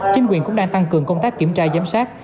chính quyền cũng đang tăng cường công tác kiểm tra giám sát